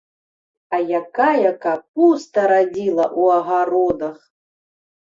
А якая капуста радзіла ў агародах!